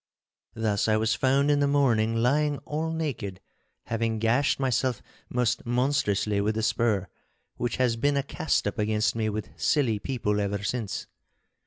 Thus I was found in the morning lying all naked, having gashed myself most monstrously with the spur, which has been a cast up against me with silly people ever since.